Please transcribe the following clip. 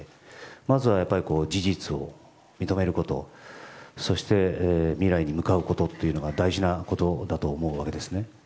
まずは事実を認めることそして未来に向かうことというのが大事なことだと思うわけですね。